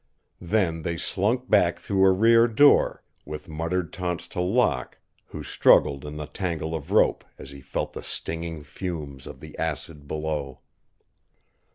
Then they slunk back through a rear door, with muttered taunts to Locke, who struggled in the tangle of rope as he felt the stinging fumes of the acid below.